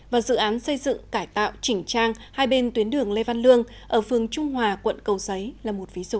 và dự án xây dựng cải tạo chỉnh trang hai bên tuyến đường lê văn lương ở phường trung hòa quận cầu giấy là một ví dụ